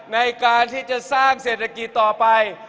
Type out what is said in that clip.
ในการที่จะสร้างเศรษฐกิจต่อไป